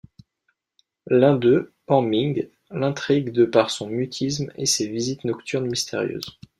L'un d'eux, Pan Ming, l'intrigue de par son mutisme et ses visites nocturnes mystérieuses.